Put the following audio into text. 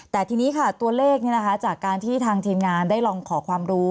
แต่ทีนี้ค่ะตัวเลขจากการที่ทางทีมงานได้ลองขอความรู้